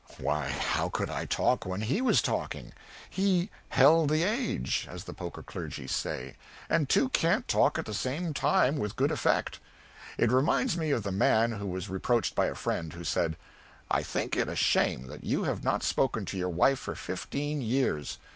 Why, how could I talk when he was talking? He "held the age," as the poker clergy say, and two can't talk at the same time with good effect. It reminds me of the man who was reproached by a friend, who said, "I think it a shame that you have not spoken to your wife for fifteen years.